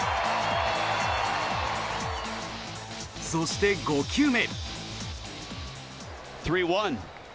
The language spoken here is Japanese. そして５球目。